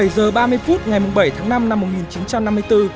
một mươi bảy giờ ba mươi phút ngày bảy tháng năm năm một nghìn chín trăm năm mươi bốn